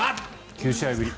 ９試合ぶり。